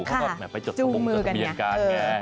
เขาก็มาไปจดสมบงพ์มันสะสมียันการ๑๙๔๑ไง